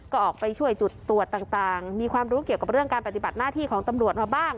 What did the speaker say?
ก็ออกไปช่วยจุดตรวจต่างมีความรู้เกี่ยวกับเรื่องการปฏิบัติหน้าที่ของตำรวจมาบ้าง